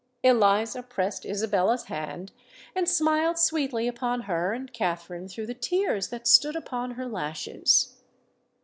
Eliza pressed Isabella's hand, and smiled sweetly upon her and Katherine through the tears that stood upon her lashes.